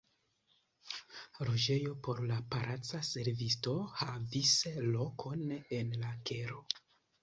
Loĝejo por la palaca servisto havis lokon en la kelo.